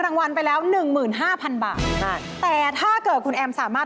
อันสุดท้ายสวัสดิ์วันที่สมัยการ